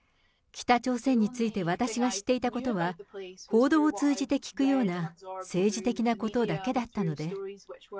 北朝鮮について私が知っていたことは、報道を通じて聞くような政治的なことだけだったので。